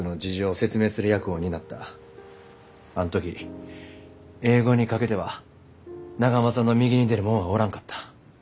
あん時英語にかけては中濱さんの右に出る者はおらんかった。